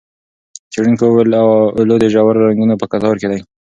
څېړونکو وویل، اولو د ژورو رنګونو په کتار کې دی.